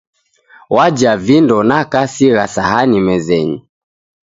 W'aja vindo na kasigha sahani mezenyi.